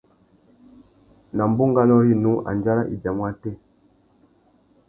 Nà bunganô rinú, andjara i biamú atê?